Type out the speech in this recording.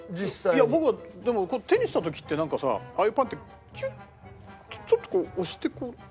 いや僕はでも手にした時ってなんかさああいうパンってキュッちょっとこう押してこう。